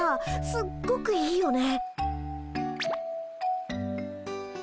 すっごくいいよね。